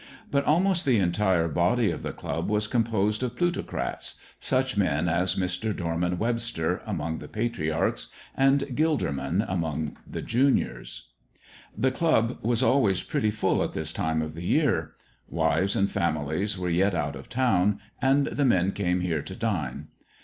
But almost the entire body of the club was composed of plutocrats such men as Mr. Dorman Webster among the patriarchs, and Gilderman among the juniors. The club was always pretty full at this time of the year. Wives and families were yet out of town, and the men came here to dine.